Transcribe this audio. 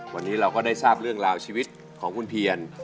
วันนี้เราก็ได้ทราบเรื่องราวชีวิตของคุณเพียร